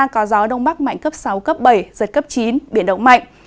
có gió đông bắc mạnh cấp sáu cấp bảy giật cấp chín biển động mạnh